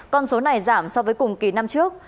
con số này giảm so với cùng kỳ năm trước